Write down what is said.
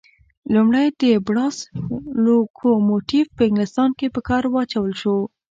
لومړی د بړاس لکوموټیف په انګلیستان کې په کار واچول شو.